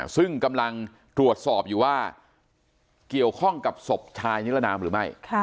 ซึ่งกำลังตรวจสอบอยู่ว่าเกี่ยวข้องกับศพชายนิรนามหรือไม่